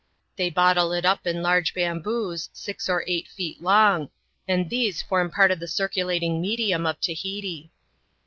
They bottle it up in large bamboos, six or eight feet long ; and these form part of the circulating medium of Tahiti.